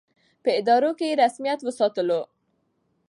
په ادارو کې یې رسمیت وساتو.